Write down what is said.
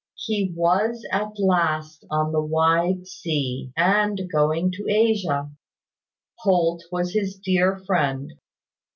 He was, at last, on the wide sea, and going to Asia. Holt was his dear friend.